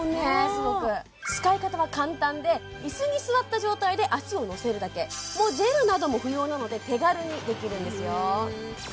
すごく使い方は簡単で椅子に座った状態で足を乗せるだけもうジェルなども不要なので手軽にできるんですよ